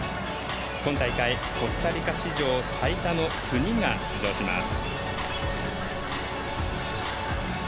今大会、コスタリカ史上最多の９人が出場します。